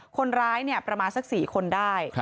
คนร้ายประมาณสัก๔คนได้